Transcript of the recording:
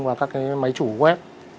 và các cái máy chủ web